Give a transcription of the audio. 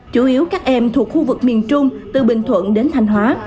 chủ yếu các em thuộc khu vực miền trung từ bình thuận đến thanh hóa